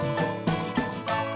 sekarang kembali magelan